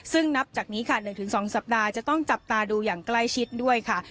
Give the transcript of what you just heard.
ซึ่งนับจากนี้ค่ะ๑๒สัปดาห์จะต้องจับตาดูอย่างใกล้ชิดด้วยค่ะ